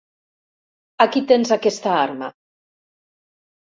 Aquí tens aquesta arma.